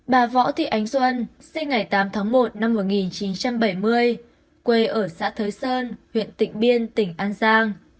bà võ thị ánh xuân sinh ngày tám tháng một năm một nghìn chín trăm bảy mươi quê ở xã thới sơn huyện tịnh biên tỉnh an giang